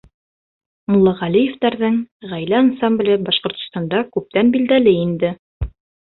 Муллағәлиевтәрҙең ғаилә ансамбле Башҡортостанда күптән билдәле инде.